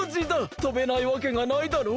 とべないわけがないだろう！